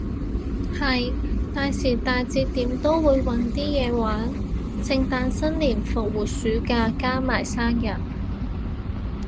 係，大時大節點都會搵啲嘢玩，聖誕新年復活暑假，加埋生日